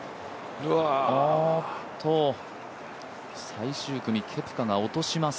最終組、ケプカが落とします。